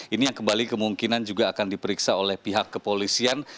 ini yang kembali kemungkinan juga akan diperiksa oleh pihak kepolisian